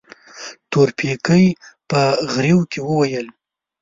تورپيکۍ په غريو کې وويل.